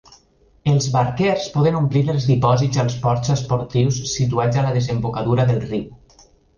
Els barquers poden omplir els dipòsits als ports esportius situats a la desembocadura del riu.